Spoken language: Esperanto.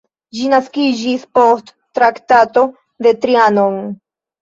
Ĝi naskiĝis post Traktato de Trianon.